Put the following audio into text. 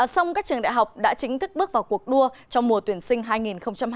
song các trường đại học đã chính thức bước vào cuộc đua trong mùa tuyển sinh hai nghìn hai mươi